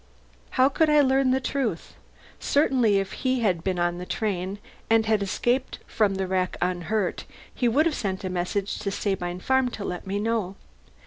How could I learn the truth? Certainly if he had been on the train, and had escaped from the wreck unhurt, he would have sent a message to Sabine Farm to let me know.